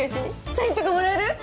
サインとかもらえる？